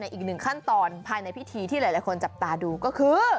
อีกหนึ่งขั้นตอนภายในพิธีที่หลายคนจับตาดูก็คือ